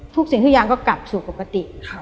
สิ่งทุกอย่างก็กลับสู่ปกติ